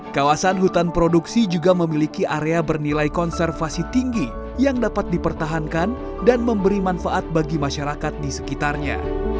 kawasan hutan produksi juga memiliki area bernilai konservasi tinggi yang dapat dipertahankan dan memberi manfaat bagi masyarakat di sekitarnya